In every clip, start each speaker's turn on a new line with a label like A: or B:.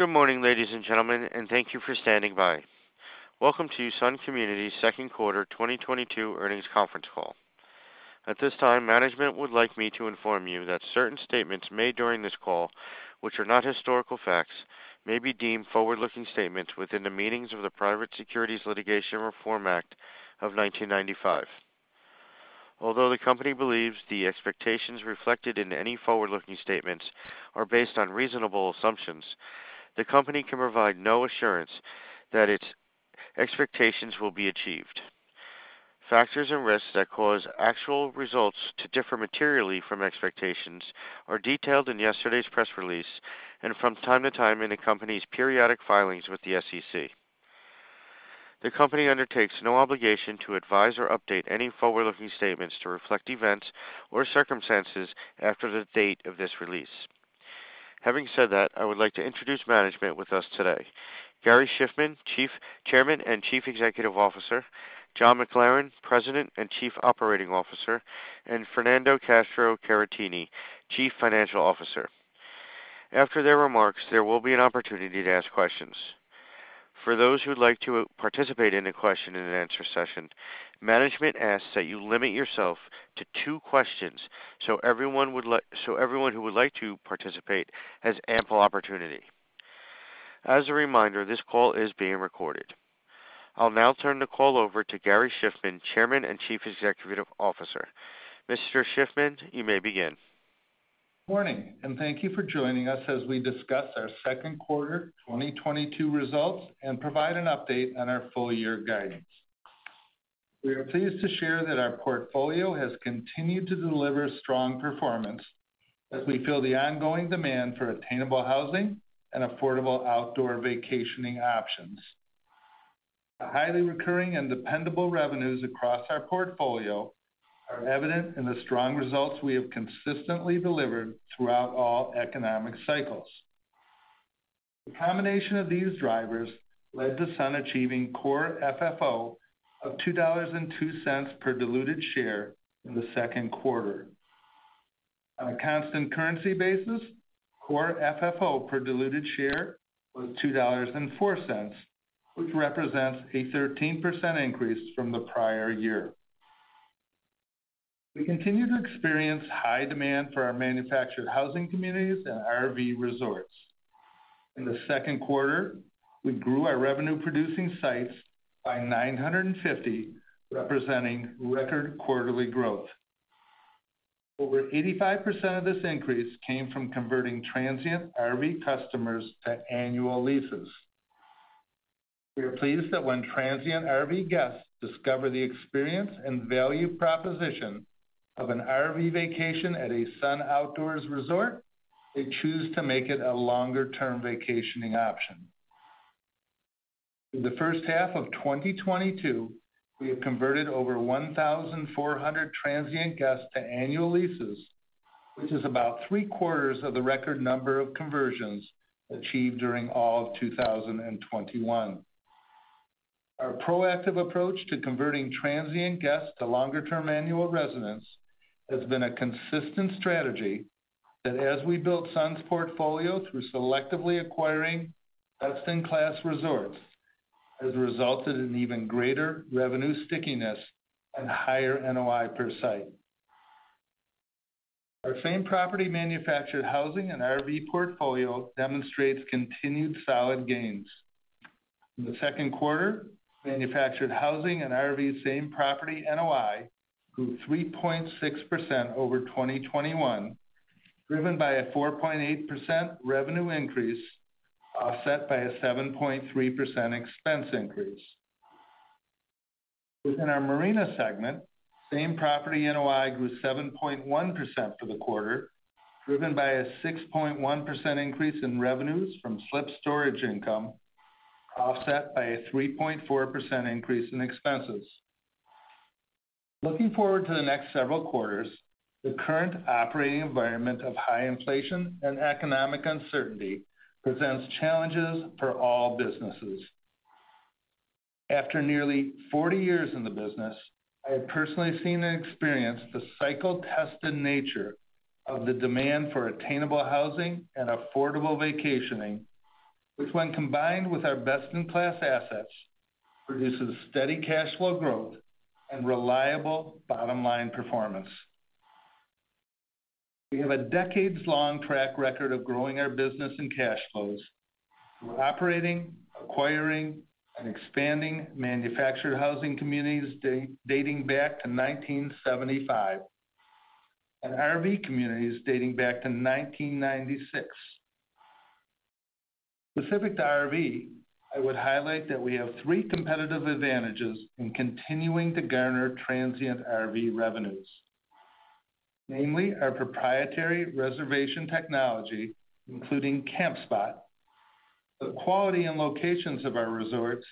A: Good morning, ladies and gentlemen, and thank you for standing by. Welcome to Sun Communities second quarter 2022 earnings conference call. At this time, management would like me to inform you that certain statements made during this call, which are not historical facts, may be deemed forward-looking statements within the meanings of the Private Securities Litigation Reform Act of 1995. Although the company believes the expectations reflected in any forward-looking statements are based on reasonable assumptions, the company can provide no assurance that its expectations will be achieved. Factors and risks that cause actual results to differ materially from expectations are detailed in yesterday's press release and from time to time in the company's periodic filings with the SEC. The company undertakes no obligation to advise or update any forward-looking statements to reflect events or circumstances after the date of this release. Having said that, I would like to introduce management with us today, Gary Shiffman, Chairman and Chief Executive Officer, John McLaren, President and Chief Operating Officer, and Fernando Castro-Caratini, Chief Financial Officer. After their remarks, there will be an opportunity to ask questions. For those who would like to participate in the question-and-answer session, management asks that you limit yourself to two questions so everyone who would like to participate has ample opportunity. As a reminder, this call is being recorded. I'll now turn the call over to Gary Shiffman, Chairman and Chief Executive Officer. Mr. Shiffman, you may begin.
B: Morning, and thank you for joining us as we discuss our second quarter 2022 results and provide an update on our full year guidance. We are pleased to share that our portfolio has continued to deliver strong performance as we feel the ongoing demand for attainable housing and affordable outdoor vacationing options. The highly recurring and dependable revenues across our portfolio are evident in the strong results we have consistently delivered throughout all economic cycles. The combination of these drivers led to Sun achieving core FFO of $2.02 per diluted share in the second quarter. On a constant currency basis, core FFO per diluted share was $2.04, which represents a 13% increase from the prior year. We continue to experience high demand for our Manufactured Housing communities and RV resorts. In the second quarter, we grew our revenue-producing sites by 950, representing record quarterly growth. Over 85% of this increase came from converting transient RV customers to annual leases. We are pleased that when transient RV guests discover the experience and value proposition of an RV vacation at a Sun Outdoors Resort, they choose to make it a longer-term vacationing option. In the first half of 2022, we have converted over 1,400 transient guests to annual leases, which is about three-quarters of the record number of conversions achieved during all of 2021. Our proactive approach to converting transient guests to longer-term annual residents has been a consistent strategy that as we build Sun's portfolio through selectively acquiring best-in-class resorts, has resulted in even greater revenue stickiness and higher NOI per site. Our same-property Manufactured Housing and RV portfolio demonstrates continued solid gains. In the second quarter, Manufactured Housing and RV same-property NOI grew 3.6% over 2021, driven by a 4.8% revenue increase, offset by a 7.3% expense increase. Within our Marina segment, same-property NOI grew 7.1% for the quarter, driven by a 6.1% increase in revenues from slip storage income, offset by a 3.4% increase in expenses. Looking forward to the next several quarters, the current operating environment of high inflation and economic uncertainty presents challenges for all businesses. After nearly 40 years in the business, I have personally seen and experienced the cycle-tested nature of the demand for attainable housing and affordable vacationing, which when combined with our best-in-class assets, produces steady cash flow growth and reliable bottom line performance. We have a decades-long track record of growing our business and cash flows through operating, acquiring, and expanding Manufactured Housing communities dating back to 1975, and RV communities dating back to 1996. Specific to RV, I would highlight that we have three competitive advantages in continuing to garner transient RV revenues, namely our proprietary reservation technology, including Campspot, the quality and locations of our resorts,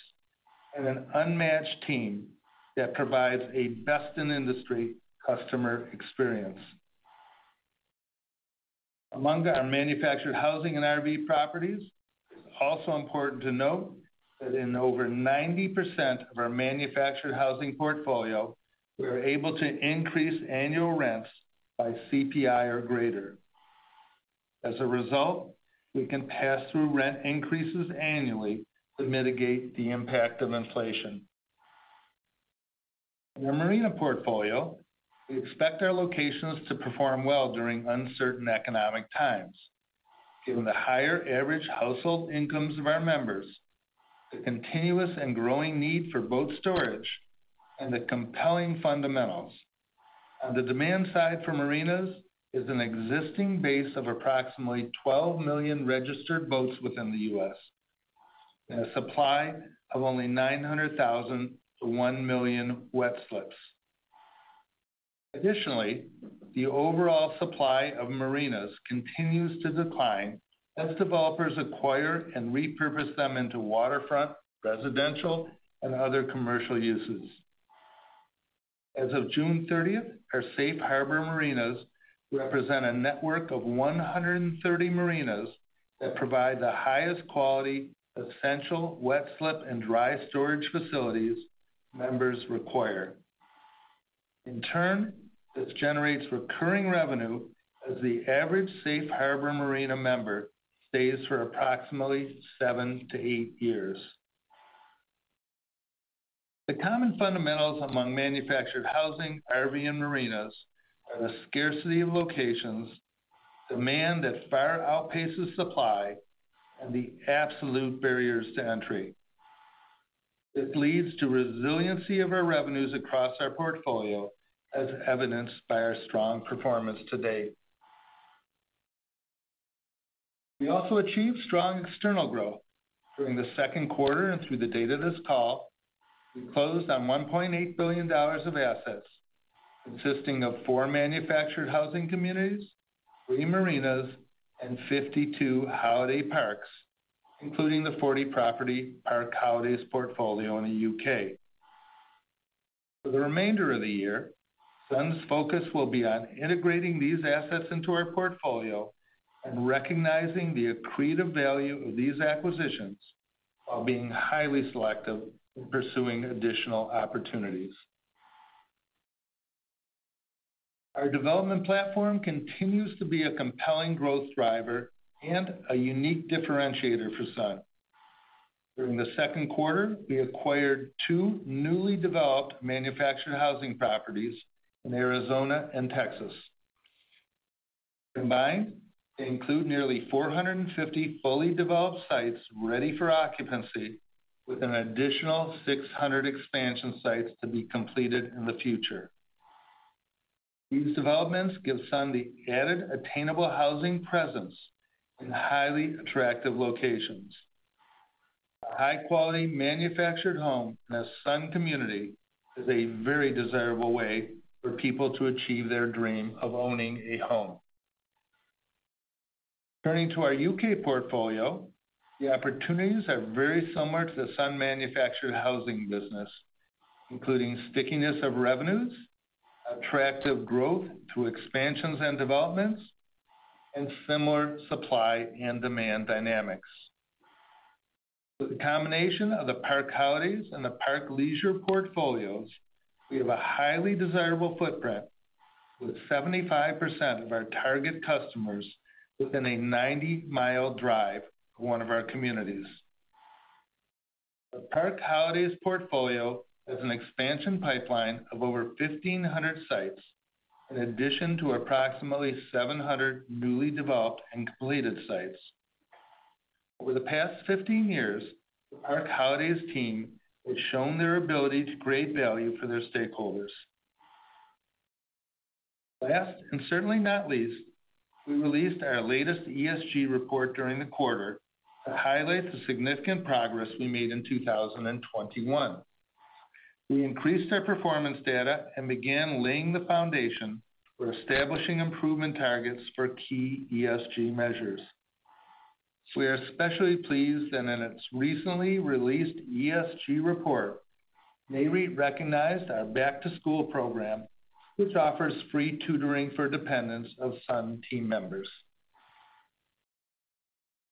B: and an unmatched team that provides a best-in-industry customer experience. Among our Manufactured Housing and RV properties, it's also important to note that in over 90% of our Manufactured Housing portfolio, we are able to increase annual rents by CPI or greater. As a result, we can pass through rent increases annually to mitigate the impact of inflation. In our marina portfolio, we expect our locations to perform well during uncertain economic times. Given the higher average household incomes of our members, the continuous and growing need for boat storage, and the compelling fundamentals. On the demand side for marinas is an existing base of approximately 12 million registered boats within the U.S., and a supply of only 900,000-1 million wet slips. Additionally, the overall supply of marinas continues to decline as developers acquire and repurpose them into waterfront, residential, and other commercial uses. As of June 30th, our Safe Harbor Marinas represent a network of 130 marinas that provide the highest quality essential wet slip and dry storage facilities members require. In turn, this generates recurring revenue as the average Safe Harbor Marina member stays for approximately seven-eight years. The common fundamentals among Manufactured Housing, RV, and Marinas are the scarcity of locations, demand that far outpaces supply, and the absolute barriers to entry. This leads to resiliency of our revenues across our portfolio, as evidenced by our strong performance to date. We also achieved strong external growth. During the second quarter and through the date of this call, we closed on $1.8 billion of assets, consisting of four Manufactured Housing communities, three marinas, and 52 holiday parks, including the 40-property Park Holidays portfolio in the U.K. For the remainder of the year, Sun's focus will be on integrating these assets into our portfolio and recognizing the accretive value of these acquisitions while being highly selective in pursuing additional opportunities. Our development platform continues to be a compelling growth driver and a unique differentiator for Sun. During the second quarter, we acquired two newly developed Manufactured Housing properties in Arizona and Texas. Combined, they include nearly 450 fully developed sites ready for occupancy, with an additional 600 expansion sites to be completed in the future. These developments give Sun the added attainable housing presence in highly attractive locations. A high-quality manufactured home in a Sun community is a very desirable way for people to achieve their dream of owning a home. Turning to our U.K. portfolio, the opportunities are very similar to the Sun Manufactured Housing business, including stickiness of revenues, attractive growth through expansions and developments, and similar supply and demand dynamics. With the combination of the Park Holidays and the Park Leisure portfolios, we have a highly desirable footprint, with 75% of our target customers within a 90 mi drive to one of our communities. The Park Holidays portfolio has an expansion pipeline of over 1,500 sites in addition to approximately 700 newly developed and completed sites. Over the past 15 years, the Park Holidays team has shown their ability to create value for their stakeholders. Last, and certainly not least, we released our latest ESG report during the quarter that highlights the significant progress we made in 2021. We increased our performance data and began laying the foundation for establishing improvement targets for key ESG measures. We are especially pleased that in its recently released ESG report, Nareit recognized our Back to School Program, which offers free tutoring for dependents of Sun team members.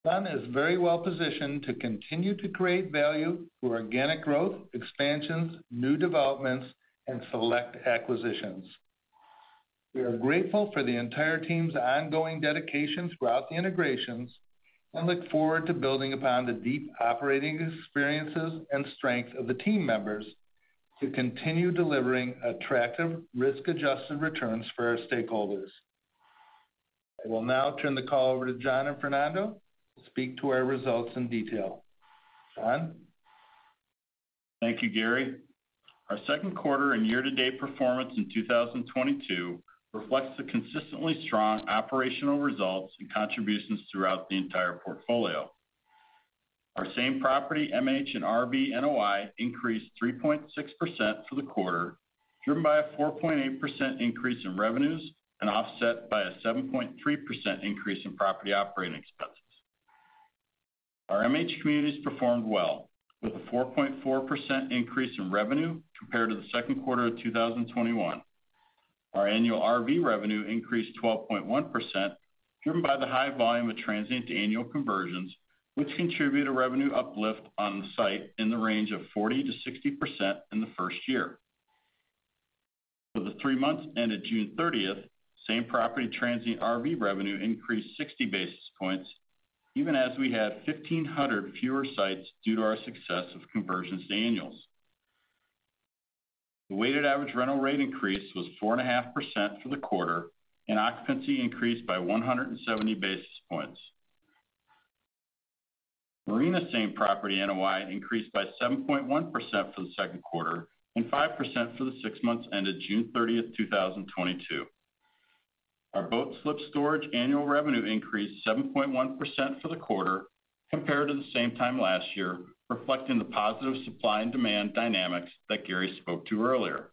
B: Sun is very well positioned to continue to create value through organic growth, expansions, new developments, and select acquisitions. We are grateful for the entire team's ongoing dedication throughout the integrations and look forward to building upon the deep operating experiences and strength of the team members to continue delivering attractive risk-adjusted returns for our stakeholders. I will now turn the call over to John and Fernando to speak to our results in detail. John?
C: Thank you, Gary. Our second quarter and year-to-date performance in 2022 reflects the consistently strong operational results and contributions throughout the entire portfolio. Our same property MH and RV NOI increased 3.6% for the quarter, driven by a 4.8% increase in revenues and offset by a 7.3% increase in property operating expenses. Our MH communities performed well with a 4.4% increase in revenue compared to the second quarter of 2021. Our annual RV revenue increased 12.1%, driven by the high volume of transient to annual conversions, which contribute a revenue uplift on the site in the range of 40%-60% in the first year. For the three months ended June 30th, same-property transient RV revenue increased 60 basis points even as we had 1,500 fewer sites due to our success of conversions to annuals. The weighted average rental rate increase was 4.5% for the quarter, and occupancy increased by 170 basis points. Marina same-property NOI increased by 7.1% for the second quarter and 5% for the six months ended June 30th, 2022. Our boat slip storage annual revenue increased 7.1% for the quarter compared to the same time last year, reflecting the positive supply and demand dynamics that Gary spoke to earlier.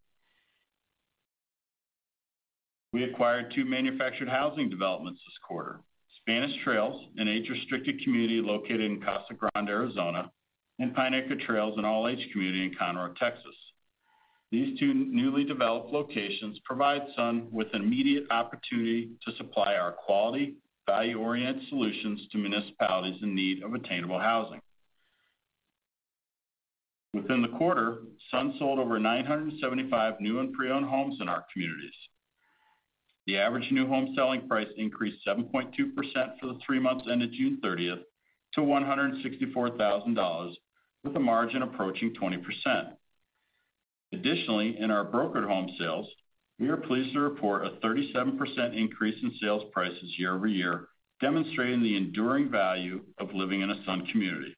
C: We acquired two Manufactured Housing developments this quarter, Spanish Trails, an age-restricted community located in Casa Grande, Arizona, and Pine Acre Trails, an all-age community in Conroe, Texas. These two newly developed locations provide Sun with an immediate opportunity to supply our quality, value-oriented solutions to municipalities in need of attainable housing. Within the quarter, Sun sold over 975 new and pre-owned homes in our communities. The average new home selling price increased 7.2% for the three months ended June 30th to $164,000 with a margin approaching 20%. Additionally, in our brokered home sales, we are pleased to report a 37% increase in sales prices year-over-year, demonstrating the enduring value of living in a Sun community.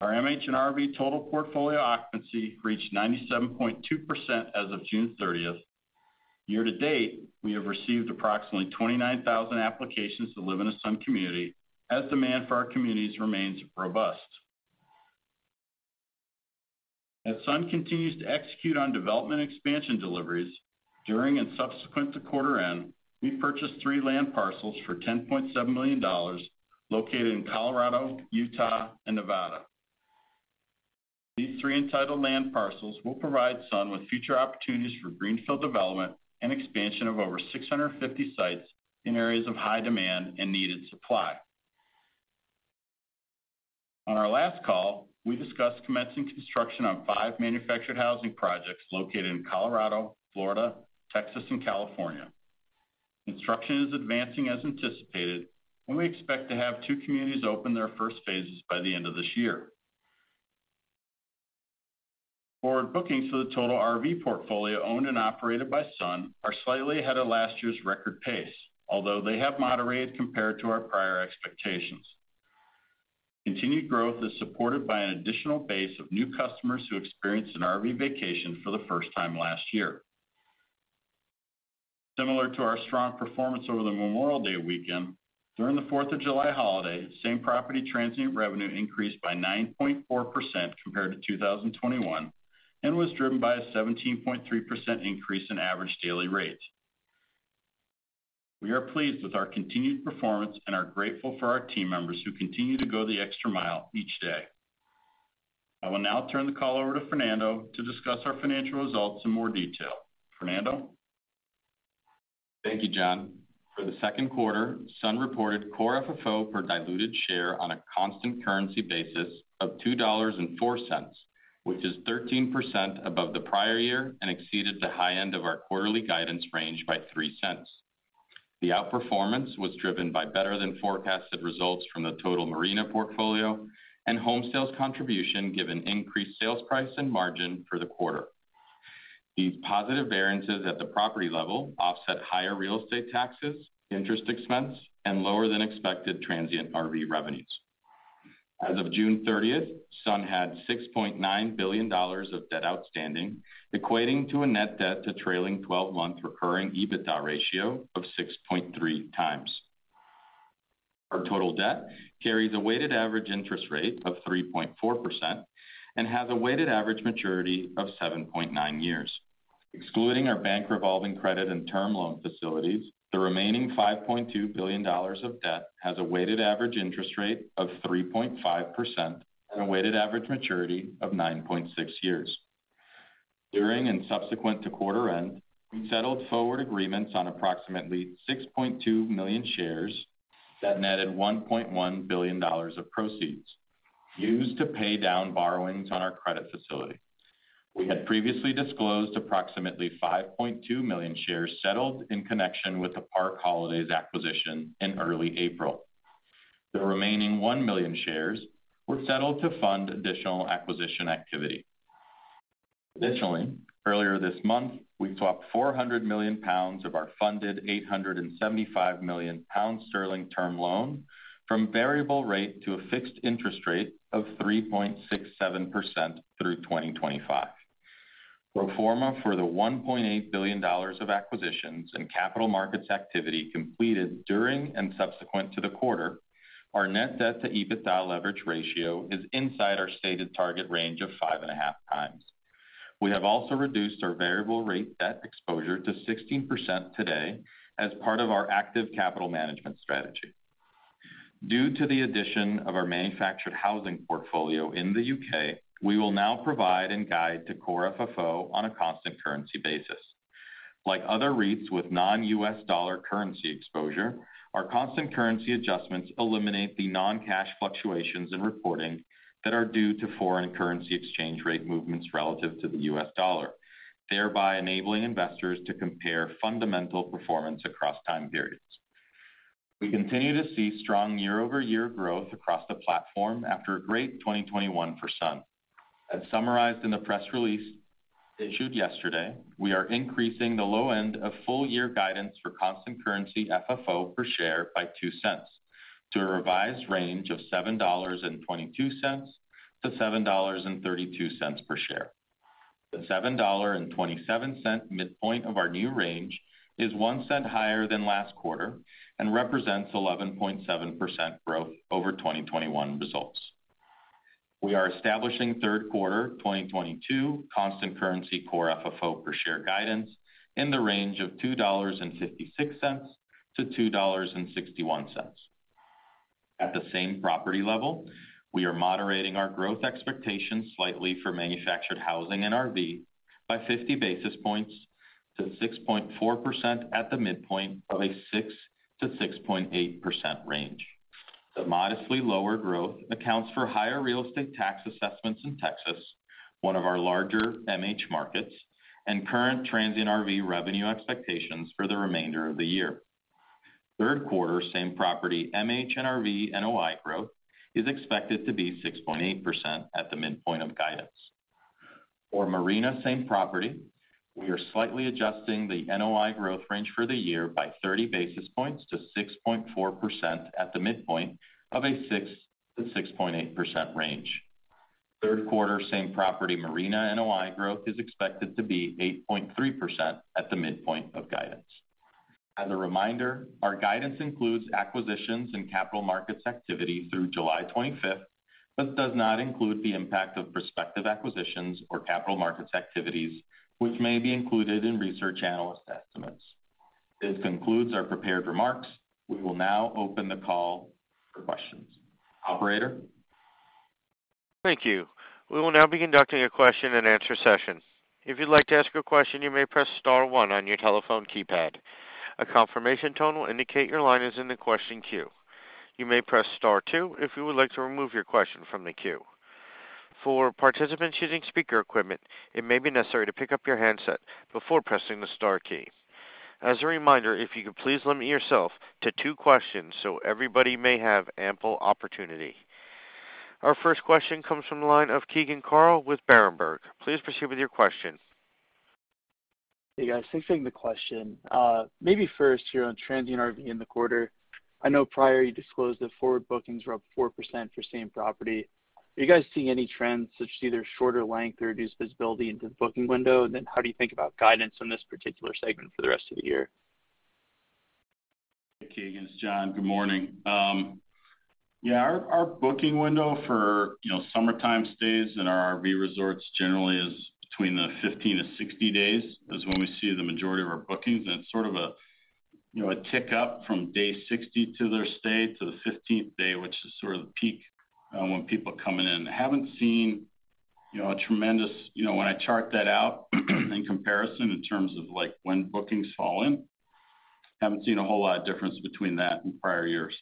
C: Our MH and RV total portfolio occupancy reached 97.2% as of June 30th. Year-to-date, we have received approximately 29,000 applications to live in a Sun community as demand for our communities remains robust. As Sun continues to execute on development expansion deliveries during and subsequent to quarter end, we purchased three land parcels for $10.7 million located in Colorado, Utah, and Nevada. These three entitled land parcels will provide Sun with future opportunities for greenfield development and expansion of over 650 sites in areas of high demand and needed supply. On our last call, we discussed commencing construction on five Manufactured Housing projects located in Colorado, Florida, Texas, and California. Construction is advancing as anticipated, and we expect to have two communities open their first phases by the end of this year. Forward bookings for the total RV portfolio owned and operated by Sun are slightly ahead of last year's record pace, although they have moderated compared to our prior expectations. Continued growth is supported by an additional base of new customers who experienced an RV vacation for the first time last year. Similar to our strong performance over the Memorial Day weekend, during the Fourth of July holiday, same-property transient revenue increased by 9.4% compared to 2021 and was driven by a 17.3% increase in average daily rate. We are pleased with our continued performance and are grateful for our team members who continue to go the extra mile each day. I will now turn the call over to Fernando to discuss our financial results in more detail. Fernando?
D: Thank you, John. For the second quarter, Sun reported core FFO per diluted share on a constant currency basis of $2.04, which is 13% above the prior year and exceeded the high end of our quarterly guidance range by $0.03. The outperformance was driven by better than forecasted results from the total marina portfolio and home sales contribution given increased sales price and margin for the quarter. These positive variances at the property level offset higher real estate taxes, interest expense, and lower than expected transient RV revenues. As of June 30th, Sun had $6.9 billion of debt outstanding, equating to a net debt to trailing 12-month recurring EBITDA ratio of 6.3x. Our total debt carries a weighted average interest rate of 3.4% and has a weighted average maturity of 7.9 years. Excluding our bank revolving credit and term loan facilities, the remaining $5.2 billion of debt has a weighted average interest rate of 3.5% and a weighted average maturity of 9.6 years. During and subsequent to quarter end, we settled forward agreements on approximately 6.2 million shares that netted $1.1 billion of proceeds used to pay down borrowings on our credit facility. We had previously disclosed approximately 5.2 million shares settled in connection with the Park Holidays acquisition in early April. The remaining 1 million shares were settled to fund additional acquisition activity. Additionally, earlier this month, we swapped 400 million pounds of our funded 875 million sterling term loan from variable rate to a fixed interest rate of 3.67% through 2025. Pro forma for the $1.8 billion of acquisitions and capital markets activity completed during and subsequent to the quarter, our net debt-to-EBITDA leverage ratio is inside our stated target range of 5.5x. We have also reduced our variable rate debt exposure to 16% today as part of our active capital management strategy. Due to the addition of our Manufactured Housing portfolio in the U.K., we will now provide and guide to core FFO on a constant currency basis. Like other REITs with non-U.S. dollar currency exposure, our constant currency adjustments eliminate the non-cash fluctuations in reporting that are due to foreign currency exchange rate movements relative to the U.S. dollar, thereby enabling investors to compare fundamental performance across time periods. We continue to see strong year-over-year growth across the platform after a great 2021 for Sun. As summarized in the press release issued yesterday, we are increasing the low end of full year guidance for constant currency FFO per share by $0.02 To a revised range of $7.22-$7.32 per share. The $7.27 midpoint of our new range is $0.01 higher than last quarter and represents 11.7% growth over 2021 results. We are establishing third quarter 2022 constant currency core FFO per share guidance in the range of $2.56-$2.61. At the same property level, we are moderating our growth expectations slightly for Manufactured Housing and RV by 50 basis points to 6.4% at the midpoint of a 6%-6.8% range. The modestly lower growth accounts for higher real estate tax assessments in Texas, one of our larger MH markets, and current transient RV revenue expectations for the remainder of the year. Third quarter same property MH and RV NOI growth is expected to be 6.8% at the midpoint of guidance. For marina same property, we are slightly adjusting the NOI growth range for the year by 30 basis points to 6.4% at the midpoint of a 6%-6.8% range. Third quarter same property marina NOI growth is expected to be 8.3% at the midpoint of guidance. As a reminder, our guidance includes acquisitions and capital markets activity through July 25th, but does not include the impact of prospective acquisitions or capital markets activities, which may be included in research analyst estimates. This concludes our prepared remarks. We will now open the call for questions. Operator?
A: Thank you. We will now be conducting a question-and-answer session. If you'd like to ask a question, you may press star one on your telephone keypad. A confirmation tone will indicate your line is in the question queue. You may press star two if you would like to remove your question from the queue. For participants using speaker equipment, it may be necessary to pick up your handset before pressing the star key. As a reminder, if you could please limit yourself to two questions so everybody may have ample opportunity. Our first question comes from the line of Keegan Carl with Berenberg. Please proceed with your question.
E: Hey, guys. Thanks for taking the question. Maybe first here on transient RV in the quarter. I know prior you disclosed that forward bookings were up 4% for same property. Are you guys seeing any trends such as either shorter length or reduced visibility into the booking window? How do you think about guidance in this particular segment for the rest of the year?
C: Hey, Keegan, it's John. Good morning. Yeah, our booking window for, you know, summertime stays in our RV resorts generally is between the 15-60 days, is when we see the majority of our bookings. It's sort of a, you know, a tick up from day 60 to their stay to the 15th day, which is sort of the peak, when people are coming in. You know, when I chart that out in comparison in terms of, like, when bookings fall in, haven't seen a whole lot of difference between that and prior years.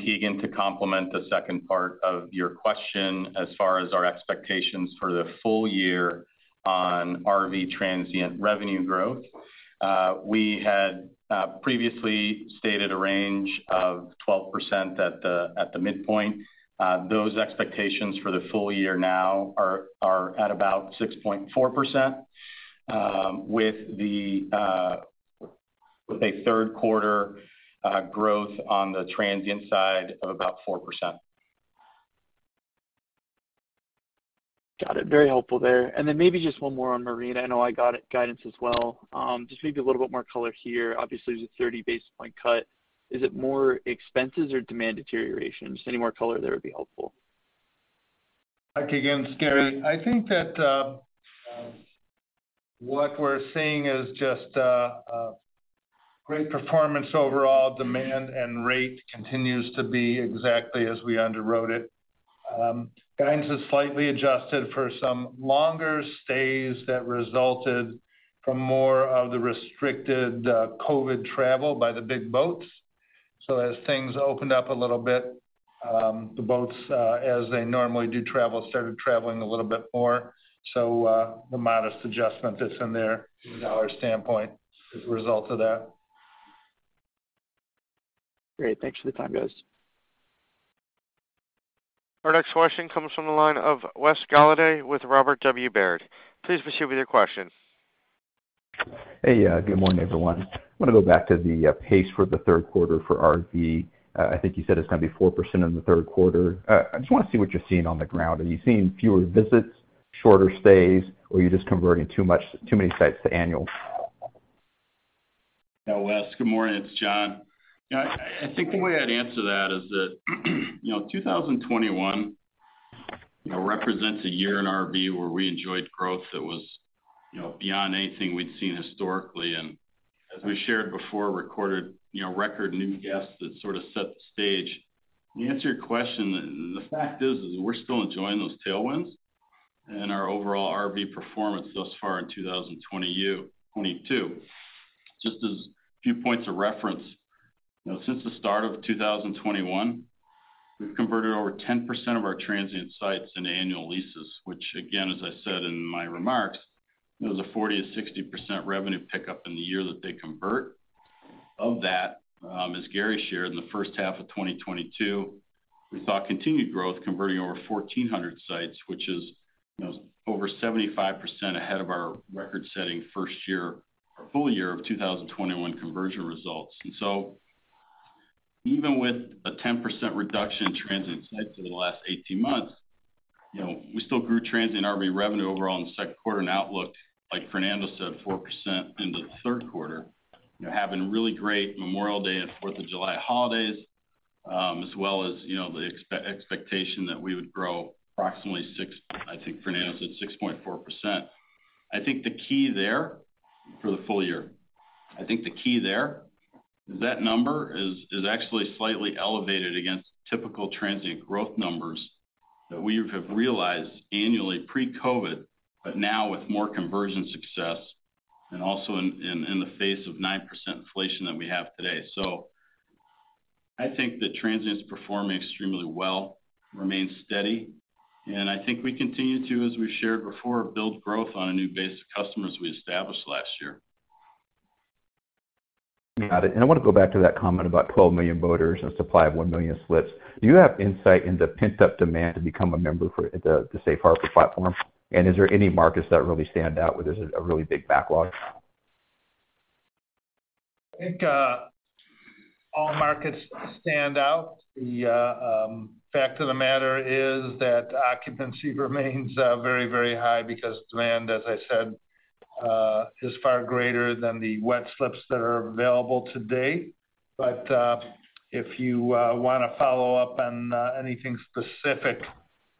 D: Keegan, to complement the second part of your question, as far as our expectations for the full year on RV transient revenue growth, we had previously stated a range of 12% at the midpoint. Those expectations for the full year now are at about 6.4%, with a third quarter growth on the transient side of about 4%.
E: Got it. Very helpful there. Maybe just one more on marina NOI guidance as well. Just maybe a little bit more color here. Obviously, it's a 30 basis point cut. Is it more expenses or demand deterioration? Just any more color there would be helpful.
B: Hi, Keegan, it's Gary. I think that what we're seeing is just a great performance overall. Demand and rate continues to be exactly as we underwrote it. Guidance is slightly adjusted for some longer stays that resulted from more of the restricted COVID travel by the big boats. As things opened up a little bit, the boats, as they normally do travel, started traveling a little bit more. The modest adjustment that's in there from a dollar standpoint is a result of that.
E: Great. Thanks for the time, guys.
A: Our next question comes from the line of Wes Golladay with Robert W. Baird. Please proceed with your question.
F: Hey, good morning, everyone. I wanna go back to the pace for the third quarter for RV. I think you said it's gonna be 4% in the third quarter. I just wanna see what you're seeing on the ground. Are you seeing fewer visits, shorter stays, or are you just converting too many sites to annual?
C: Yeah, Wes, good morning. It's John. You know, I think the way I'd answer that is that, you know, 2021. You know, represents a year in RV where we enjoyed growth that was, you know, beyond anything we'd seen historically. As we shared before, recorded, you know, record new guests that sort of set the stage. To answer your question, the fact is, we're still enjoying those tailwinds and our overall RV performance thus far in 2022. Just as a few points of reference. You know, since the start of 2021, we've converted over 10% of our transient sites into annual leases, which again, as I said in my remarks, there was a 40%-60% revenue pickup in the year that they convert. Of that, as Gary shared, in the first half of 2022, we saw continued growth converting over 1,400 sites, which is, you know, over 75% ahead of our record-setting first year or full year of 2021 conversion results. Even with a 10% reduction in transient sites over the last 18 months, you know, we still grew transient RV revenue overall in the second quarter and outlook, like Fernando said, 4% into the third quarter. You know, having really great Memorial Day and Fourth of July holidays, as well as, you know, the expectation that we would grow approximately six... I think Fernando said 6.4%. I think the key there for the full year. I think the key there is that number is actually slightly elevated against typical transient growth numbers that we have realized annually pre-COVID, but now with more conversion success and also in the face of 9% inflation that we have today. I think the transients performing extremely well remains steady. I think we continue to, as we shared before, build growth on a new base of customers we established last year.
F: Got it. I wanna go back to that comment about 12 million boaters and supply of 1 million slips. Do you have insight into pent-up demand to become a member for the Safe Harbor platform? Is there any markets that really stand out where there's a really big backlog?
B: I think all markets stand out. The fact of the matter is that occupancy remains very, very high because demand, as I said, is far greater than the wet slips that are available to date. If you wanna follow up on anything specific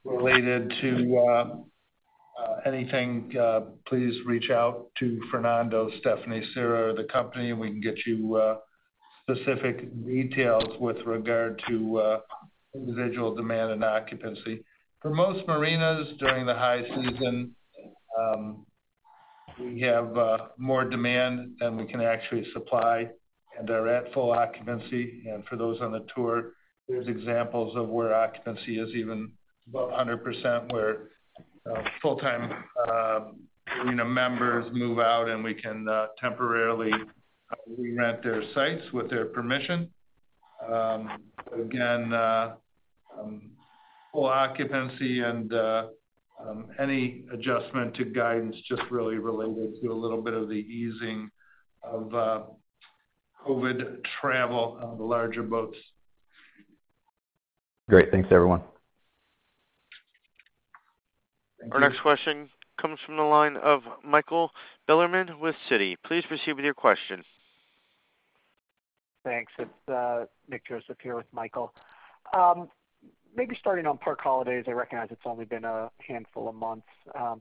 B: related to anything, please reach out to Fernando, Stephanie, Sarah, or the company, and we can get you specific details with regard to individual demand and occupancy. For most marinas during the high season, we have more demand than we can actually supply, and they're at full occupancy. For those on the tour, there's examples of where occupancy is even about 100%, where full-time you know members move out, and we can temporarily re-rent their sites with their permission. Again, full occupancy and any adjustment to guidance just really related to a little bit of the easing of COVID travel on the larger boats.
F: Great. Thanks, everyone.
B: Thank you.
A: Our next question comes from the line of Michael Bilerman with Citi. Please proceed with your question.
G: Thanks. It's Nick Joseph here with Michael. Maybe starting on Park Holidays, I recognize it's only been a handful of months,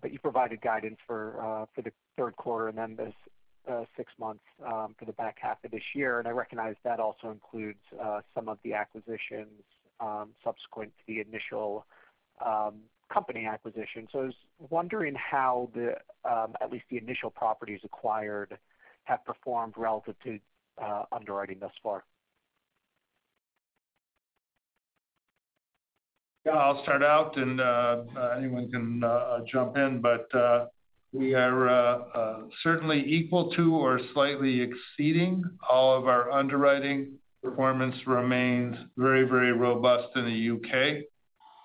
G: but you provided guidance for the third quarter and then this six months for the back half of this year. I recognize that also includes some of the acquisitions subsequent to the initial company acquisition. I was wondering how the at least the initial properties acquired have performed relative to underwriting thus far.
B: Yeah, I'll start out and anyone can jump in. We are certainly equal to or slightly exceeding all of our underwriting. Performance remains very, very robust in the U.K.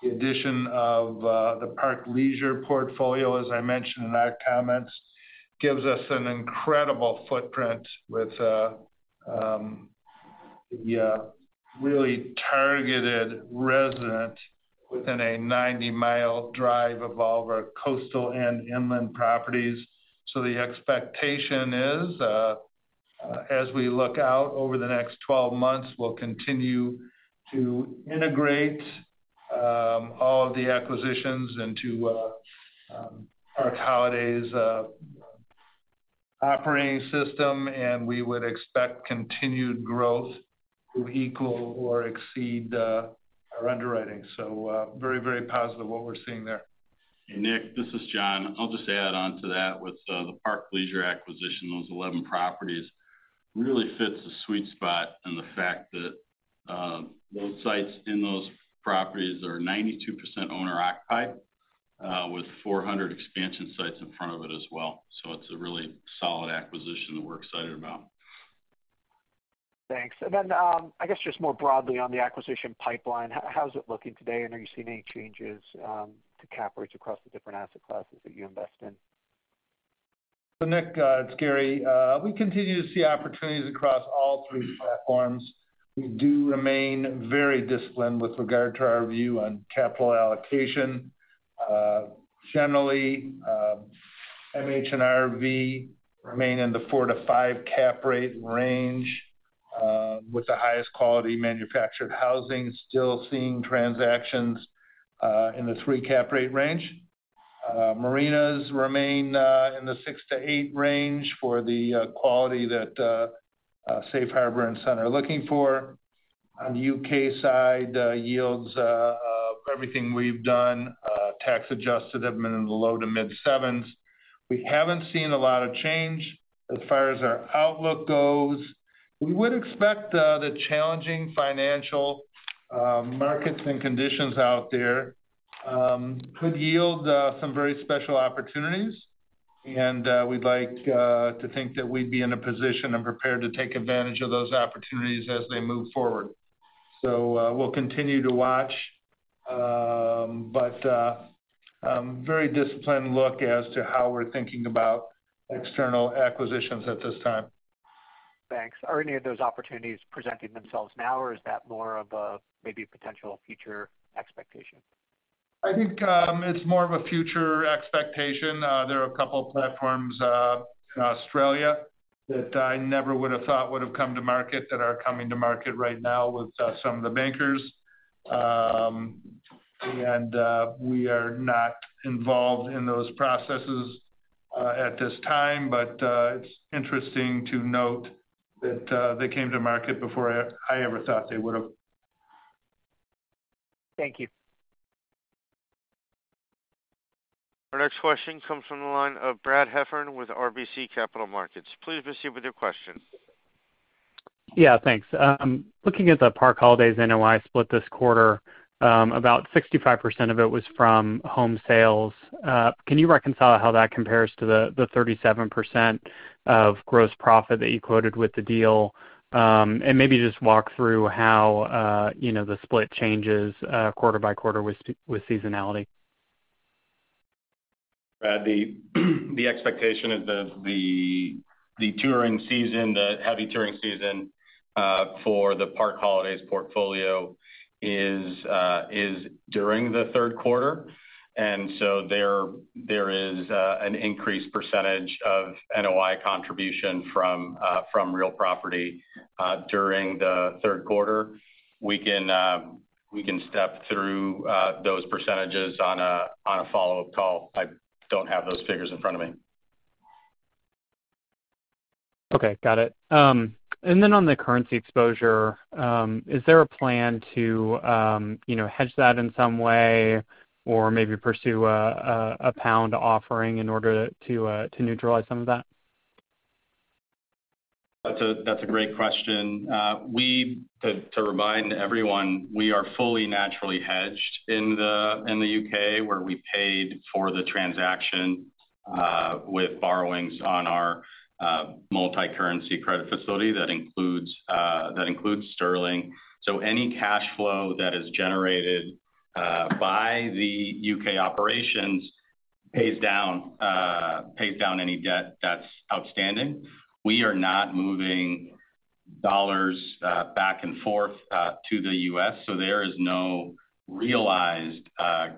B: The addition of the Park Leisure portfolio, as I mentioned in our comments, gives us an incredible footprint with the really targeted resident within a 90 mi drive of all of our coastal and inland properties. The expectation is, as we look out over the next 12 months, we'll continue to integrate all of the acquisitions into Park Holidays operating system, and we would expect continued growth to equal or exceed our underwriting. Very, very positive what we're seeing there.
C: Hey, Nick, this is John. I'll just add on to that. With the Park Leisure acquisition, those 11 properties really fits the sweet spot and the fact that those sites in those properties are 92% owner occupied, with 400 expansion sites in front of it as well. It's a really solid acquisition that we're excited about.
G: Thanks. I guess just more broadly on the acquisition pipeline, how's it looking today? And are you seeing any changes to cap rates across the different asset classes that you invest in?
B: Nick, it's Gary. We continue to see opportunities across all three platforms. We do remain very disciplined with regard to our view on capital allocation. Generally, MH and RV remain in the 4%-5% cap rate range, with the highest quality Manufactured Housing still seeing transactions in the 3% cap rate range. Marinas remain in the 6%-8% range for the quality that Safe Harbor and similar are looking for. On the U.K. side, yields for everything we've done, tax adjusted, have been in the low- to mid-sevens. We haven't seen a lot of change as far as our outlook goes. We would expect the challenging financial markets and conditions out there could yield some very special opportunities, and we'd like to think that we'd be in a position and prepared to take advantage of those opportunities as they move forward. We'll continue to watch but very disciplined look as to how we're thinking about external acquisitions at this time.
G: Thanks. Are any of those opportunities presenting themselves now or is that more of a maybe potential future expectation?
B: I think it's more of a future expectation. There are a couple of platforms in Australia that I never would have thought would have come to market that are coming to market right now with some of the bankers. We are not involved in those processes at this time, but it's interesting to note that they came to market before I ever thought they would've.
G: Thank you.
A: Our next question comes from the line of Brad Heffern with RBC Capital Markets. Please proceed with your question.
H: Yeah, thanks. Looking at the Park Holidays NOI split this quarter, about 65% of it was from home sales. Can you reconcile how that compares to the 37% of gross profit that you quoted with the deal? Maybe just walk through how, you know, the split changes quarter-by-quarter with seasonality.
C: Brad, the expectation is that the heavy touring season for the Park Holidays portfolio is during the third quarter. There is an increased percentage of NOI contribution from real property during the third quarter. We can step through those percentages on a follow-up call. I don't have those figures in front of me.
H: Okay, got it. On the currency exposure, is there a plan to, you know, hedge that in some way or maybe pursue a pound offering in order to neutralize some of that?
D: That's a great question. To remind everyone, we are fully naturally hedged in the U.K., where we paid for the transaction with borrowings on our multicurrency credit facility that includes sterling. Any cash flow that is generated by the U.K. operations pays down any debt that's outstanding. We are not moving dollars back and forth to the U.S., so there is no realized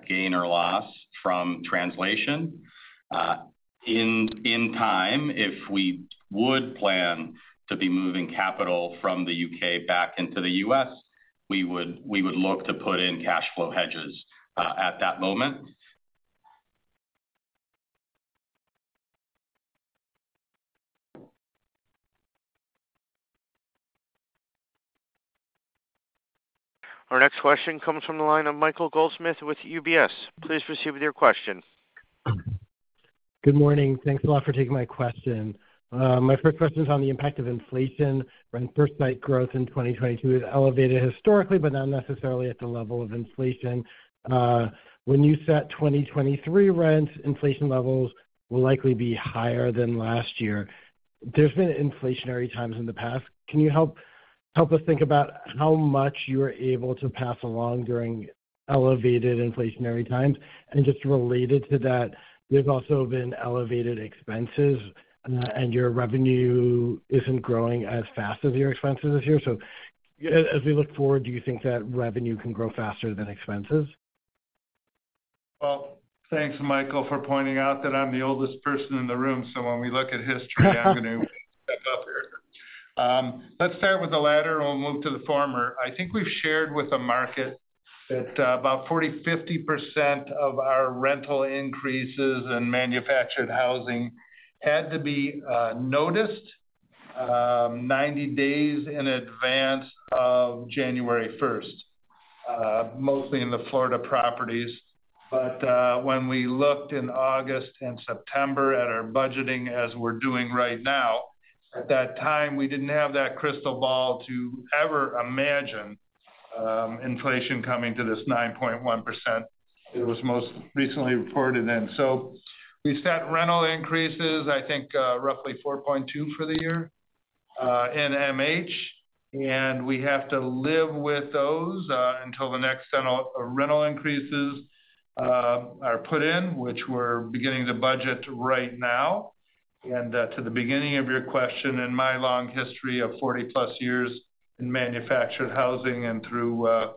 D: gain or loss from translation. In time, if we would plan to be moving capital from the U.K. back into the U.S., we would look to put in cash flow hedges at that moment.
A: Our next question comes from the line of Michael Goldsmith with UBS. Please proceed with your question.
I: Good morning. Thanks a lot for taking my question. My first question is on the impact of inflation. Rent per site growth in 2022 is elevated historically, but not necessarily at the level of inflation. When you set 2023 rents, inflation levels will likely be higher than last year. There's been inflationary times in the past. Can you help us think about how much you're able to pass along during elevated inflationary times? And just related to that, there's also been elevated expenses, and your revenue isn't growing as fast as your expenses this year. As we look forward, do you think that revenue can grow faster than expenses?
B: Well, thanks, Michael, for pointing out that I'm the oldest person in the room, so when we look at historically. Let's start with the latter and we'll move to the former. I think we've shared with the market that about 40%-50% of our rental increases in Manufactured Housing had to be noticed 90 days in advance of January 1st, mostly in the Florida properties. When we looked in August and September at our budgeting as we're doing right now, at that time, we didn't have that crystal ball to ever imagine inflation coming to this 9.1% it was most recently reported in. We set rental increases, I think, roughly 4.2% for the year in MH, and we have to live with those until the next rental increases are put in, which we're beginning to budget right now. To the beginning of your question, in my long history of 40+ years in Manufactured Housing and through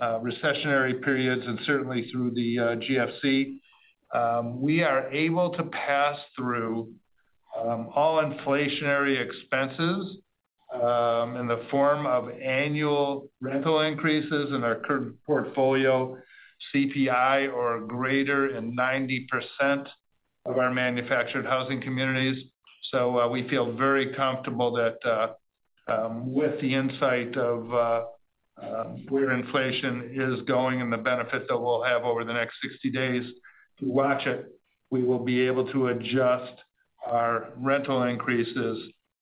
B: recessionary periods and certainly through the GFC, we are able to pass through all inflationary expenses in the form of annual rental increases in our current portfolio, CPI or greater in 90% of our Manufactured Housing communities. We feel very comfortable that, with the insight of, where inflation is going and the benefit that we'll have over the next 60 days to watch it, we will be able to adjust our rental increases,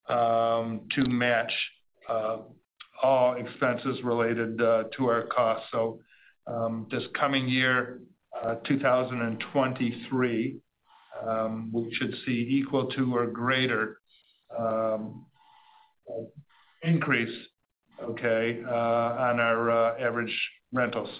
B: to match, all expenses related, to our costs. This coming year, 2023, we should see equal to or greater, increase, okay, on our average rentals.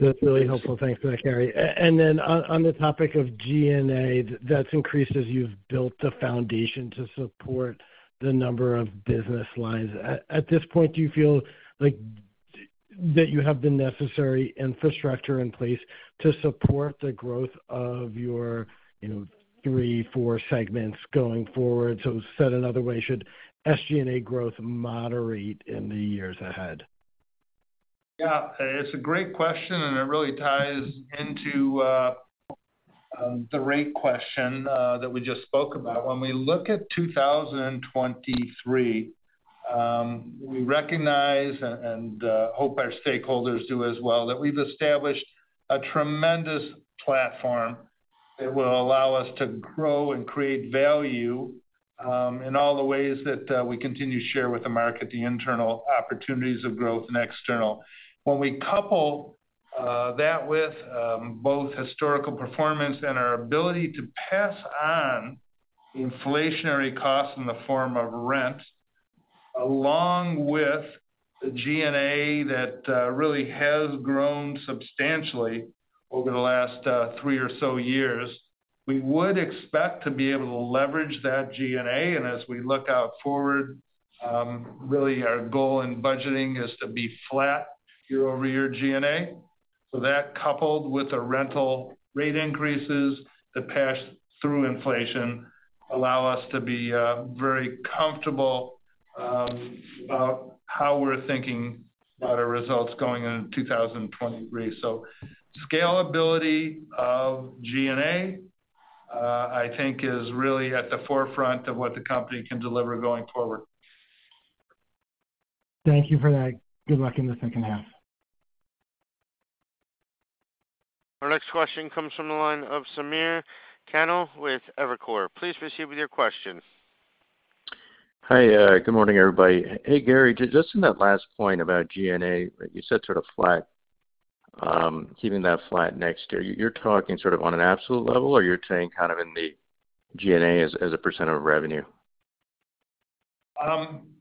I: That's really helpful. Thanks for that, Gary. And then on the topic of G&A, that's increased as you've built the foundation to support the number of business lines. At this point, do you feel like that you have the necessary infrastructure in place to support the growth of your, you know, three, four segments going forward? Said another way, should SG&A growth moderate in the years ahead?
B: Yeah. It's a great question, and it really ties into the rate question that we just spoke about. When we look at 2023, we recognize and hope our stakeholders do as well, that we've established a tremendous platform that will allow us to grow and create value in all the ways that we continue to share with the market the internal opportunities of growth and external. When we couple that with both historical performance and our ability to pass on inflationary costs in the form of rent, along with the G&A that really has grown substantially over the last three or so years, we would expect to be able to leverage that G&A. As we look forward, really our goal in budgeting is to be flat year-over-year G&A. That coupled with the rental rate increases that pass through inflation allow us to be very comfortable about how we're thinking about our results going into 2023. Scalability of G&A, I think is really at the forefront of what the company can deliver going forward.
I: Thank you for that. Good luck in the second half.
A: Our next question comes from the line of Samir Khanal with Evercore. Please proceed with your question.
J: Hi. Good morning, everybody. Hey, Gary, just in that last point about G&A, you said sort of flat, keeping that flat next year. You're talking sort of on an absolute level, or you're saying kind of in the G&A as a percent of revenue?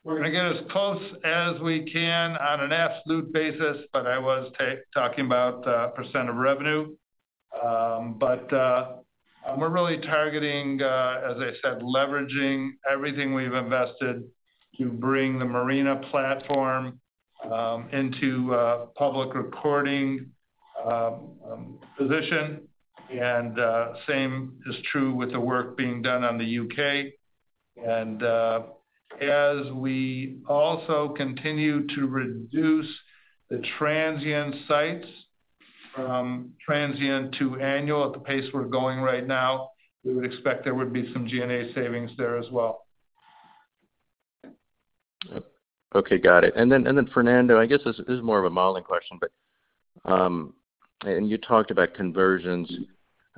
B: We're gonna get as close as we can on an absolute basis, but I was talking about percent of revenue. But we're really targeting, as I said, leveraging everything we've invested to bring the marina platform into a public reporting position. As we also continue to reduce the transient sites from transient to annual at the pace we're going right now, we would expect there would be some G&A savings there as well.
J: Okay. Got it. Fernando, I guess this is more of a modeling question, but, and you talked about conversions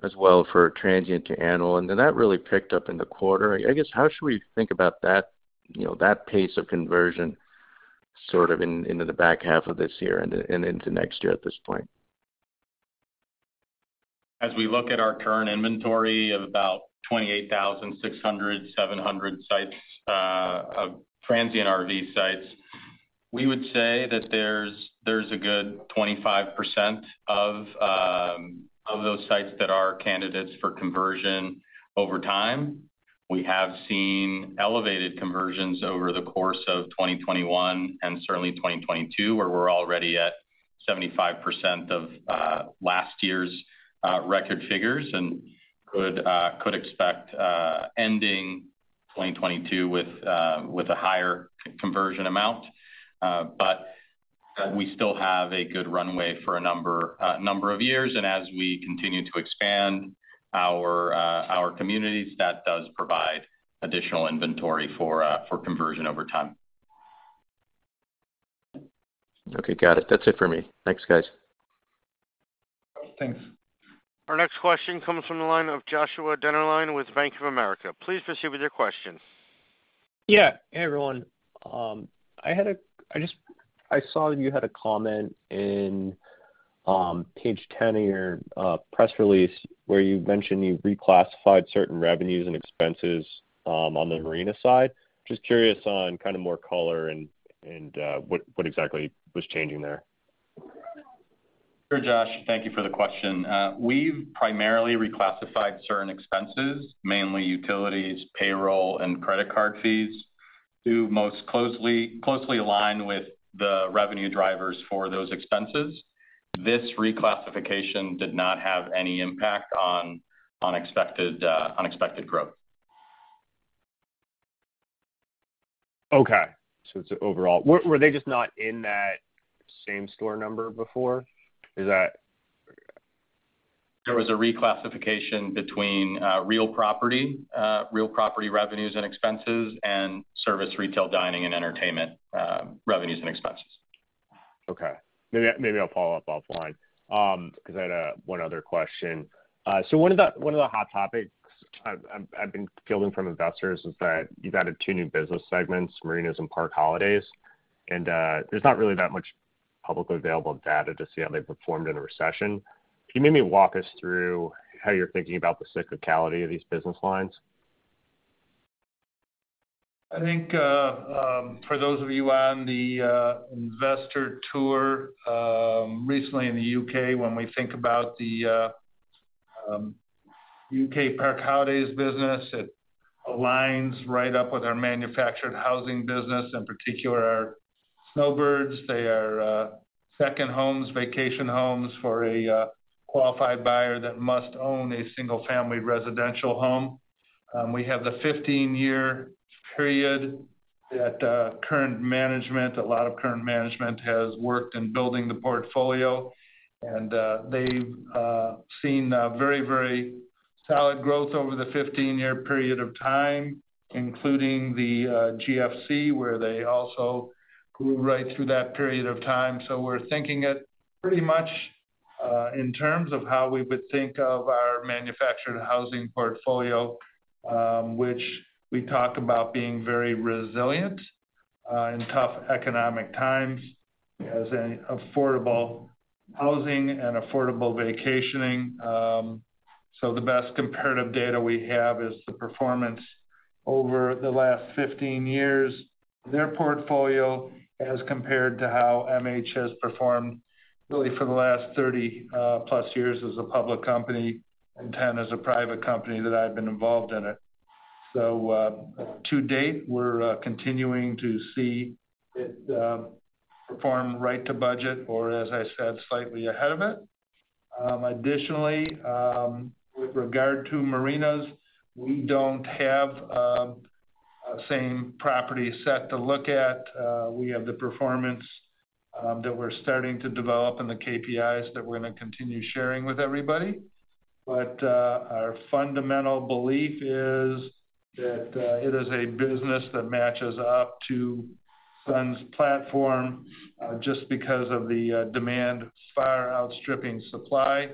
J: as well for transient to annual, and then that really picked up in the quarter. I guess, how should we think about that, you know, that pace of conversion sort of into the back half of this year and into next year at this point?
D: As we look at our current inventory of about 28,600-700 sites of transient RV sites, we would say that there's a good 25% of those sites that are candidates for conversion over time. We have seen elevated conversions over the course of 2021 and certainly 2022, where we're already at 75% of last year's record figures and could expect ending 2022 with a higher conversion amount. But we still have a good runway for a number of years. As we continue to expand our communities, that does provide additional inventory for conversion over time.
J: Okay. Got it. That's it for me. Thanks, guys.
B: Thanks.
A: Our next question comes from the line of Joshua Dennerlein with Bank of America. Please proceed with your question.
K: Yeah. Hey, everyone. I saw you had a comment in page 10 of your press release where you mentioned you reclassified certain revenues and expenses on the marina side. Just curious on kind of more color and what exactly was changing there?
D: Sure, Josh. Thank you for the question. We've primarily reclassified certain expenses, mainly utilities, payroll, and credit card fees, to most closely align with the revenue drivers for those expenses. This reclassification did not have any impact on unexpected growth.
K: Okay. It's overall. Were they just not in that same store number before? Is that?
D: There was a reclassification between real property revenues and expenses and service, retail, dining, and entertainment revenues and expenses.
K: Okay. Maybe I'll follow up offline, 'cause I had one other question. So one of the hot topics I've been fielding from investors is that you've added two new business segments, Marinas and Park Holidays. There's not really that much publicly available data to see how they performed in a recession. Can you maybe walk us through how you're thinking about the cyclicality of these business lines?
B: I think for those of you on the investor tour recently in the U.K., when we think about the U.K. Park Holidays business, it aligns right up with our Manufactured Housing business, in particular our snowbirds. They are second homes, vacation homes for a qualified buyer that must own a single-family residential home. We have the 15-year period that current management, a lot of current management has worked in building the portfolio. They've seen a very, very solid growth over the 15-year period of time, including the GFC, where they also grew right through that period of time. We're thinking it pretty much in terms of how we would think of our Manufactured Housing portfolio, which we talk about being very resilient in tough economic times as an affordable housing and affordable vacationing. The best comparative data we have is the performance over the last 15 years, their portfolio as compared to how MH has performed really for the last 30+ years as a public company and 10 as a private company that I've been involved in it. To date, we're continuing to see it perform right to budget or, as I said, slightly ahead of it. Additionally, with regard to marinas, we don't have a same property set to look at. We have the performance that we're starting to develop and the KPIs that we're gonna continue sharing with everybody. Our fundamental belief is that it is a business that matches up to Sun's platform just because of the demand far outstripping supply.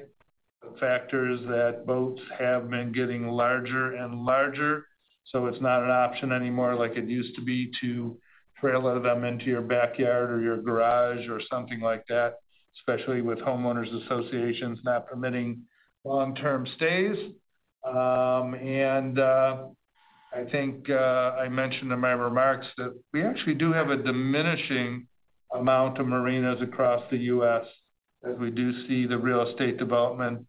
B: Factors that boats have been getting larger and larger, so it's not an option anymore like it used to be to trailer them into your backyard or your garage or something like that, especially with homeowners associations not permitting long-term stays. I think I mentioned in my remarks that we actually do have a diminishing amount of marinas across the U.S., as we do see the real estate development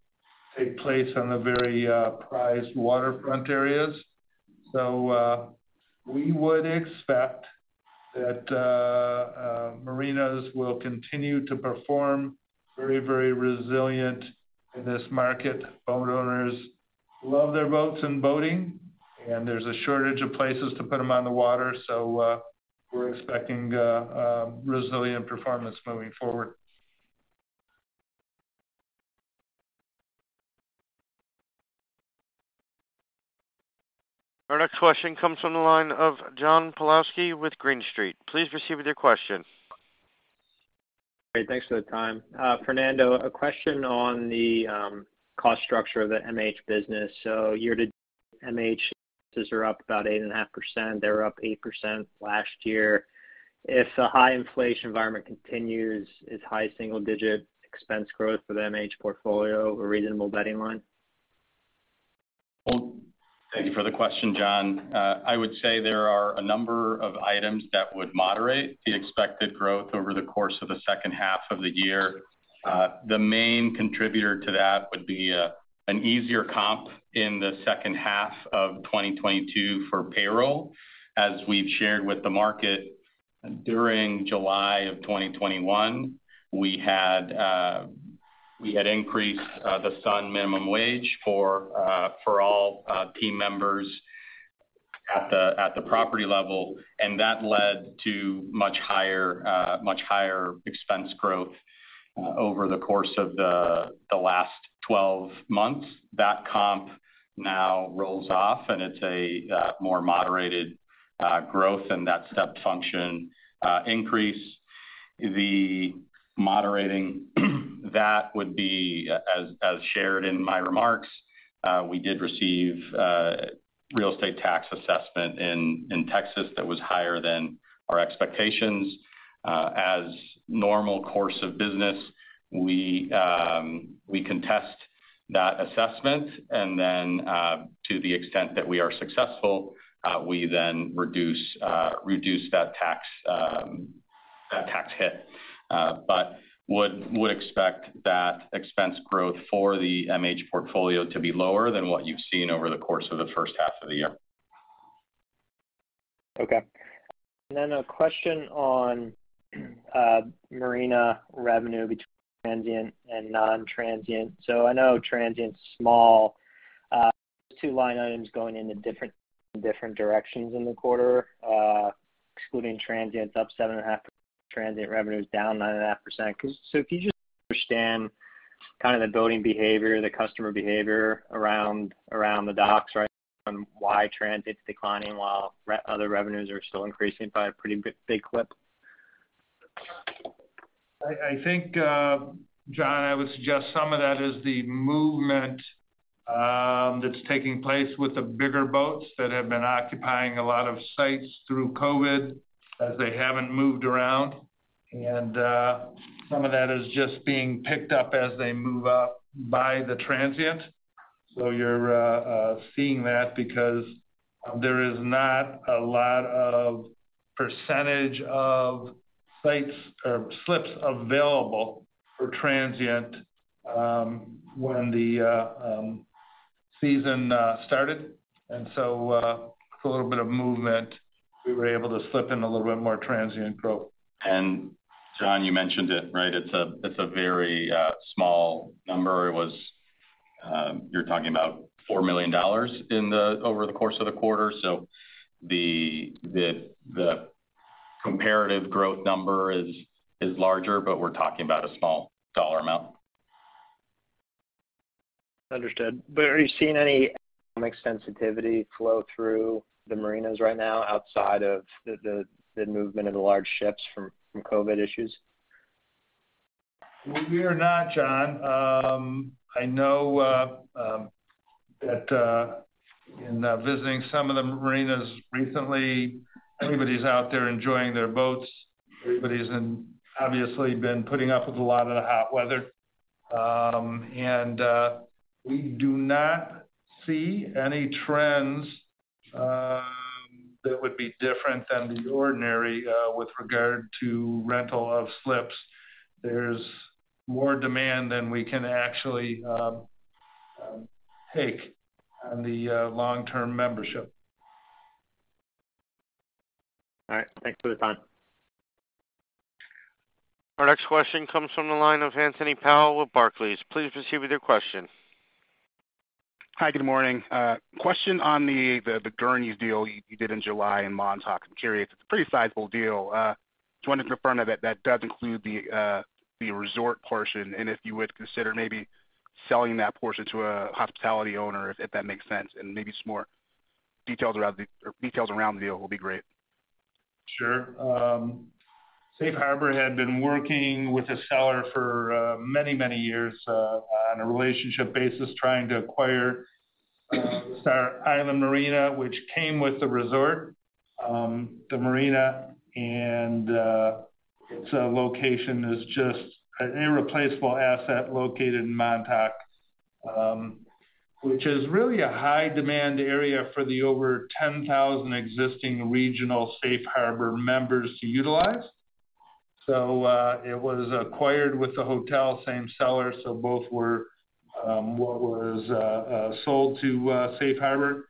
B: take place on the very prized waterfront areas. We would expect that marinas will continue to perform very, very resilient in this market. Boat owners love their boats and boating, and there's a shortage of places to put them on the water, so we're expecting resilient performance moving forward.
A: Our next question comes from the line of John Pawlowski with Green Street. Please proceed with your question.
L: Great. Thanks for the time. Fernando, a question on the cost structure of the MH business. Year-to-date, MH costs are up about 8.5%. They were up 8% last year. If the high inflation environment continues, is high single digit expense growth for the MH portfolio a reasonable betting line?
D: Well, thank you for the question, John. I would say there are a number of items that would moderate the expected growth over the course of the second half of the year. The main contributor to that would be an easier comp in the second half of 2022 for payroll. As we've shared with the market, during July of 2021, we had increased the Sun minimum wage for all team members at the property level, and that led to much higher expense growth over the course of the last 12 months. That comp now rolls off, and it's a more moderated growth than that step function increase. The moderating, that would be as shared in my remarks, we did receive real estate tax assessment in Texas that was higher than our expectations. As normal course of business, we contest that assessment. To the extent that we are successful, we then reduce that tax hit. Would expect that expense growth for the MH portfolio to be lower than what you've seen over the course of the first half of the year.
L: Okay. A question on marina revenue between transient and non-transient. I know transient's small. Two line items going into different directions in the quarter, excluding transients up 7.5%, transient revenue is down 9.5%. If you just understand kind of the boating behavior, the customer behavior around the docks right now and why transient's declining while other revenues are still increasing by a pretty big clip.
C: I think, John, I would suggest some of that is the movement that's taking place with the bigger boats that have been occupying a lot of sites through COVID as they haven't moved around. Some of that is just being picked up as they move out by the transient. You're seeing that because there is not a lot of percentage of sites or slips available for transient when the season started. With a little bit of movement, we were able to slip in a little bit more transient growth.
D: John, you mentioned it, right? It's a very small number. It was, you're talking about $4 million over the course of the quarter. The comparative growth number is larger, but we're talking about a small dollar amount.
L: Understood. Are you seeing any economic sensitivity flow through the marinas right now outside of the movement of the large ships from COVID issues?
B: We are not, John. I know that in visiting some of the marinas recently, everybody's out there enjoying their boats. Everybody's been obviously putting up with a lot of the hot weather. We do not see any trends that would be different than the ordinary with regard to rental of slips. There's more demand than we can actually take on the long-term membership.
L: All right. Thanks for the time.
A: Our next question comes from the line of Anthony Powell with Barclays. Please proceed with your question.
M: Hi, good morning. Question on the Gurney's deal you did in July in Montauk. I'm curious, it's a pretty sizable deal. Just wondering if you're fond of it, that does include the resort portion, and if you would consider maybe selling that portion to a hospitality owner, if that makes sense. Maybe some more details around the deal will be great.
B: Sure. Safe Harbor had been working with the seller for many, many years on a relationship basis trying to acquire Star Island Marina, which came with the resort, the marina. Its location is just an irreplaceable asset located in Montauk, which is really a high demand area for the over 10,000 existing regional Safe Harbor members to utilize. It was acquired with the hotel, same seller, so both were sold to Safe Harbor.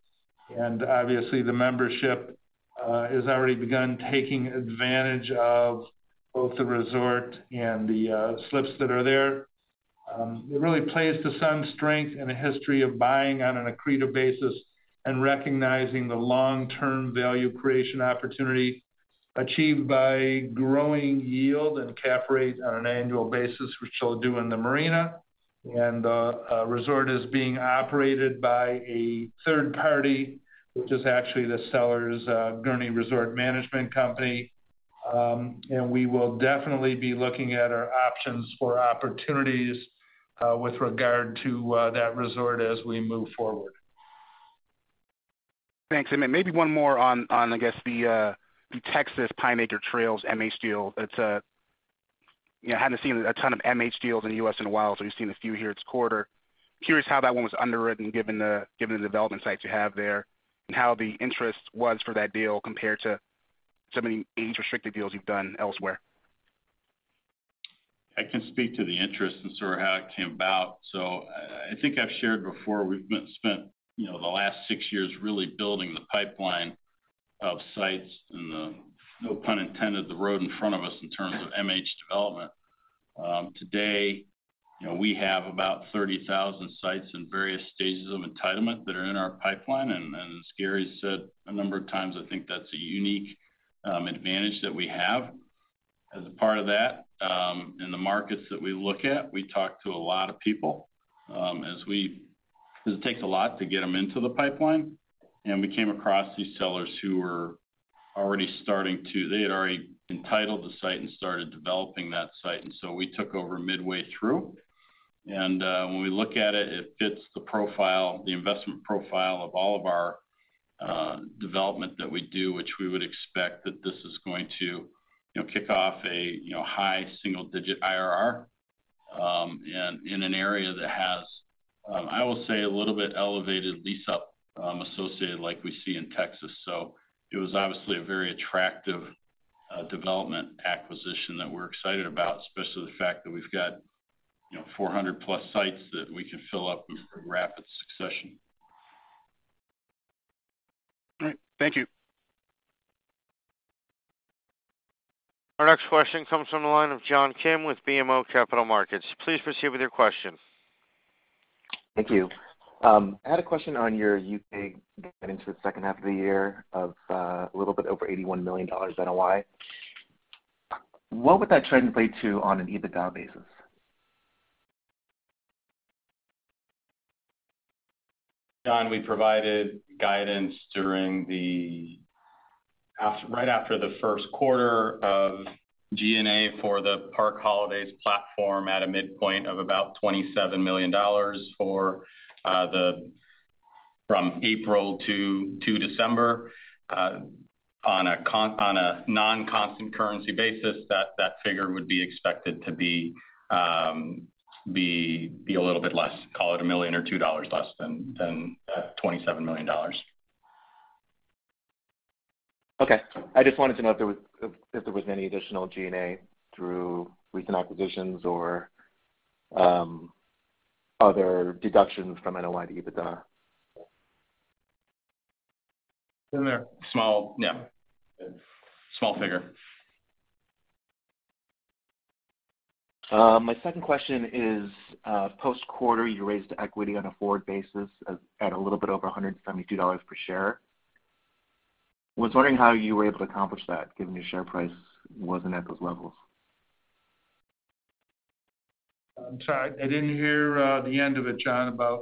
B: Obviously the membership has already begun taking advantage of both the resort and the slips that are there. It really plays to some strength and a history of buying on an accretive basis and recognizing the long-term value creation opportunity achieved by growing yield and cap rate on an annual basis, which they'll do in the marina. A resort is being operated by a third party, which is actually the seller's Gurney's Resort Management Company. We will definitely be looking at our options for opportunities with regard to that resort as we move forward.
M: Thanks. Maybe one more on I guess the Texas Pine Acre Trails MH deal. It's a. You know, haven't seen a ton of MH deals in the U.S. in a while, so we've seen a few here this quarter. Curious how that one was underwritten given the development sites you have there and how the interest was for that deal compared to some of the restricted deals you've done elsewhere.
D: I can speak to the interest and sort of how it came about. I think I've shared before, we've spent, you know, the last six years really building the pipeline of sites and, no pun intended, the road in front of us in terms of MH development. Today, you know, we have about 30,000 sites in various stages of entitlement that are in our pipeline. As Gary said a number of times, I think that's a unique advantage that we have. As a part of that, in the markets that we look at, we talk to a lot of people because it takes a lot to get them into the pipeline. We came across these sellers who had already entitled the site and started developing that site, and so we took over midway through. When we look at it fits the profile, the investment profile of all of our development that we do, which we would expect that this is going to, you know, kick off a, you know, high single-digit IRR, and in an area that has, I will say a little bit elevated lease-up, associated like we see in Texas. It was obviously a very attractive development acquisition that we're excited about, especially the fact that we've got, you know, 400+ sites that we can fill up in rapid succession.
M: All right. Thank you.
A: Our next question comes from the line of John Kim with BMO Capital Markets. Please proceed with your question.
N: Thank you. I had a question on your U.K. guidance for the second half of the year of a little bit over $81 million NOI. What would that translate to on an EBITDA basis?
D: John, we provided guidance right after the first quarter of G&A for the Park Holidays platform at a midpoint of about $27 million from April to December. On a non-constant currency basis, that figure would be expected to be a little bit less, call it $1 million or $2 million less than that $27 million.
N: Okay. I just wanted to know if there was any additional G&A through recent acquisitions or other deductions from NOI to EBITDA?
C: In there.
D: Small, yeah.
C: Yeah.
D: Small figure.
N: My second question is, post-quarter, you raised equity on a forward basis at a little bit over $172 per share. Was wondering how you were able to accomplish that, given your share price wasn't at those levels.
D: I'm sorry, I didn't hear the end of it, John, about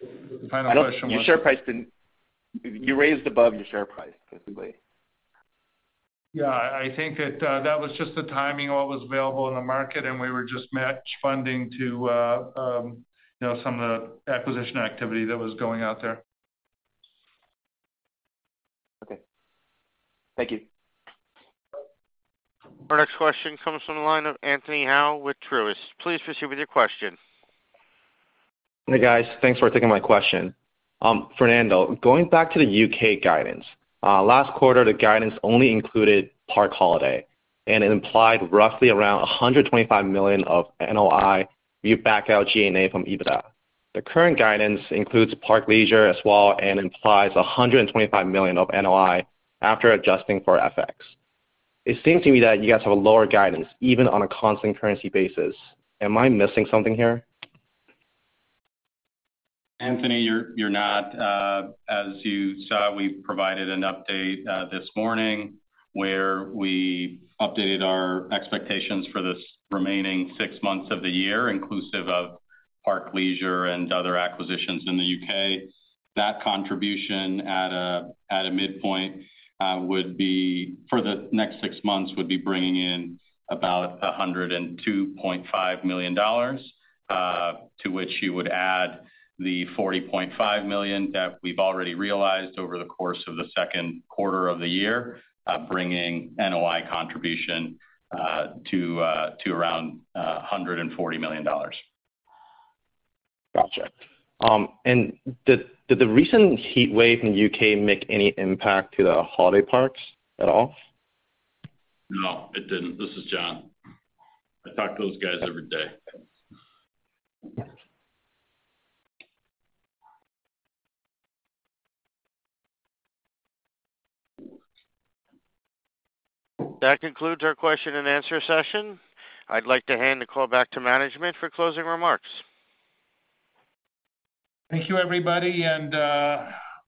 D: the final question was.
N: You raised above your share price, basically.
D: Yeah, I think that was just the timing of what was available in the market, and we were just match funding to, you know, some of the acquisition activity that was going out there.
N: Okay. Thank you.
A: Our next question comes from the line of Anthony Hau with Truist. Please proceed with your question.
O: Hey, guys. Thanks for taking my question. Fernando, going back to the U.K. Guidance. Last quarter, the guidance only included Park Holidays, and it implied roughly around $125 million of NOI if you back out G&A from EBITDA. The current guidance includes Park Leisure as well and implies $125 million of NOI after adjusting for FX. It seems to me that you guys have a lower guidance, even on a constant currency basis. Am I missing something here?
D: Anthony, you're not. As you saw, we provided an update this morning, where we updated our expectations for this remaining six months of the year, inclusive of Park Leisure and other acquisitions in the U.K. That contribution at a midpoint would be, for the next six months, would be bringing in about $102.5 million, to which you would add the $40.5 million that we've already realized over the course of the second quarter of the year, bringing NOI contribution to around $140 million.
O: Gotcha. Did the recent heatwave in the U.K. make any impact to the holiday parks at all?
C: No, it didn't. This is John. I talk to those guys every day.
A: That concludes our question-and-answer session. I'd like to hand the call back to management for closing remarks.
B: Thank you, everybody, and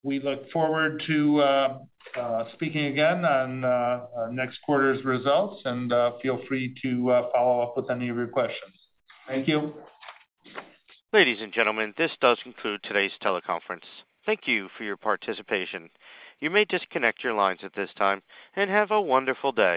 B: we look forward to speaking again on our next quarter's results, and feel free to follow up with any of your questions. Thank you.
A: Ladies and gentlemen, this does conclude today's teleconference. Thank you for your participation. You may disconnect your lines at this time, and have a wonderful day.